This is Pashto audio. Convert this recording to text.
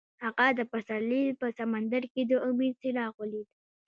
هغه د پسرلی په سمندر کې د امید څراغ ولید.